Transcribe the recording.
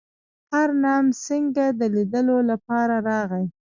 هرنام سینګه د لیدلو لپاره راغی.